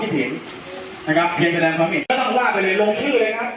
พี่เห็นนะครับเพียงแชร์แสดงแล้วถ้าเราวาดไปเลยรวมชื่อเลยครับ